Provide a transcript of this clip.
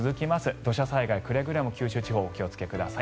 土砂災害、くれぐれも九州地方はお気をつけください。